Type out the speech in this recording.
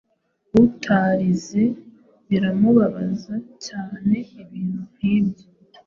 utarize biramubabaza cyane ibintu nkibyo